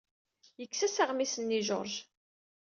Yekkes-as aɣmis-nni i George.